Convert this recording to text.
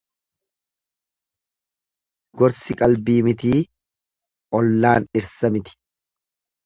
Gorsi qalbii mitii ollaan dhirsa miti.